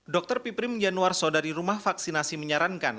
dr piprim januarsodari rumah vaksinasi menyarankan